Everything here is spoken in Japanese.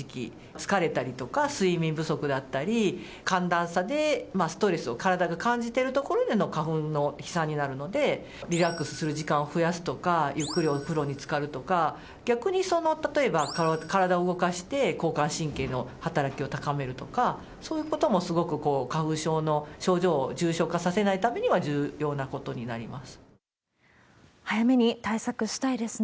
疲れたりとか、睡眠不足だったり、寒暖差でストレスを体が感じてるところでの花粉の飛散になるので、リラックスする時間を増やすとか、ゆっくりお風呂につかるとか、逆に、例えば体を動かして交感神経の働きを高めるとか、そういうこともすごく花粉症の症状を重症化させないためには重要早めに対策したいですね。